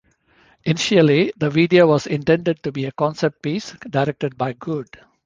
Initially, the video was intended to be a concept piece, directed by Good.